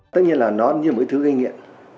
tất nhiên là nó như một thứ gây nghiện